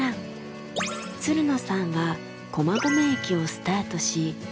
つるのさんは駒込駅をスタートし